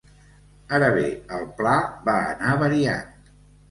Ara bé, el pla va anar variant.